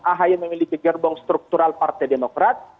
ahy memiliki gerbong struktural partai demokrat